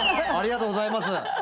ありがとうございます。